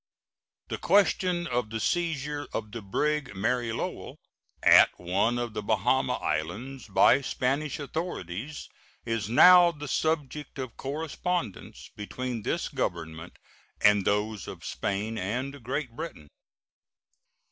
The question of the seizure of the brig Mary Lowell at one of the Bahama Islands by Spanish authorities is now the subject of correspondence between this Government and those of Spain and Great Britain.